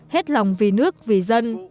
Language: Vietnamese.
hết lòng vì nước vì dân